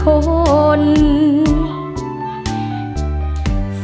สิบนิ้วผนมแล้วกมลงกันมา